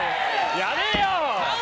やれよ！